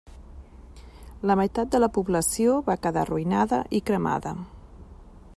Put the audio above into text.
La meitat de la població va quedar arruïnada i cremada.